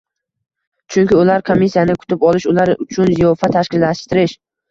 Chunki ular komissiyani kutib olish, ular uchun ziyofat tashkillashtirish